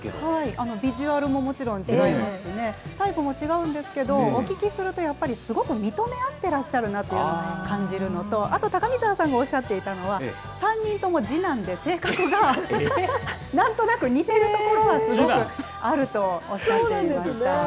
ビジュアルももちろん違いますし、タイプも違うんですけど、お聞きすると、やっぱりすごく認め合ってらっしゃるなと感じるのと、あと高見沢さんがおっしゃっていたのは、３人とも次男で性格がなんとなく似てるところがすごくあるとおっしゃってました。